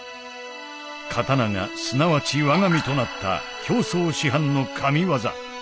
刀がすなわち我が身となった京増師範の神技。